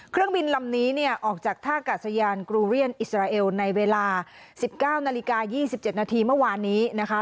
เครื่องบินลำนี้เนี่ยออกจากท่ากาศยานกรูเรียนอิสราเอลในเวลา๑๙นาฬิกา๒๗นาทีเมื่อวานนี้นะคะ